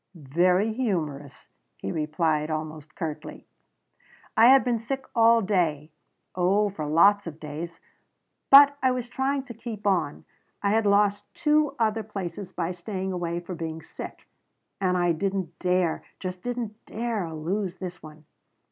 "Very humorous," he replied, almost curtly. "I had been sick all day oh, for lots of days. But I was trying to keep on. I had lost two other places by staying away for being sick and I didn't dare just didn't dare lose this one.